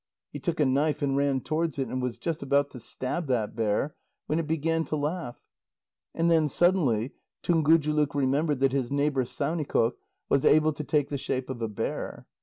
He took a knife and ran towards it, and was just about to stab that bear, when it began to laugh. And then suddenly Tungujuluk remembered that his neighbour Saunikoq was able to take the shape of a bear.